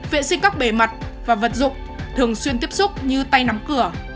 vệ sinh các bề mặt và vật dụng thường xuyên tiếp xúc như tay nắm cửa